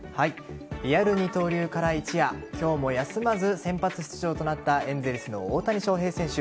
リアル二刀流から一夜今日も休まず先発出場となったエンゼルスの大谷翔平選手。